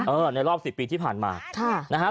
เออในรอบสิบปีที่ผ่านมาค่ะนะฮะ